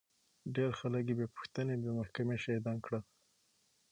ډېر خلک يې بې پوښتنې بې محکمې شهيدان کړل.